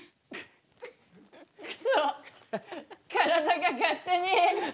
くそ体が勝手に。